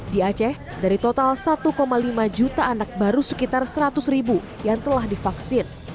di aceh dari total satu lima juta anak baru sekitar seratus ribu yang telah divaksin